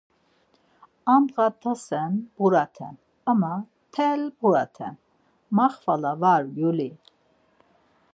A ndğa t̆asen, bğuraten ama mtel bğuraten, ma xvala var gyuli.